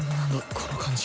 この感じ。